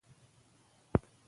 سړی د هدف لپاره قرباني ورکوي